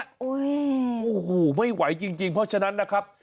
โอ้โหไม่ไหวจริงเพราะฉะนั้นนะครับ